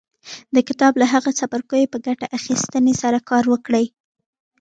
د کتاب له هغو څپرکو په ګټې اخيستنې سره کار وکړئ.